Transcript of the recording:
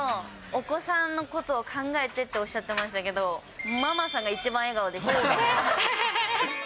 お子さんのことを考えてっておっしゃってましたけど、ママさんが一番笑顔でした。